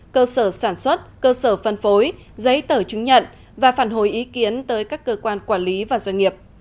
cơ sở sản xuất cơ sở phân phối giấy tờ chứng nhận và phản hồi ý kiến tới các cơ quan quản lý và doanh nghiệp